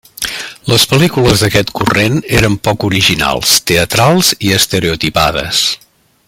Les pel·lícules d'aquest corrent eren poc originals, teatrals i estereotipades.